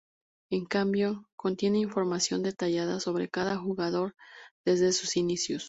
En cambio, contiene información detallada sobre cada jugador, desde sus inicios.